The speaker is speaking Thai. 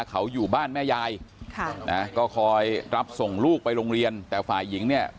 เขาอยู่บ้านแม่ยาย